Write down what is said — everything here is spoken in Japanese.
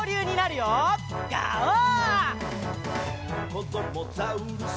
「こどもザウルス